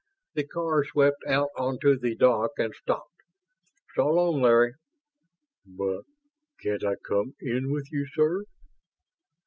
The car swept out onto the dock and stopped. "So long, Larry." "But ... can't I come in with you ... sir?"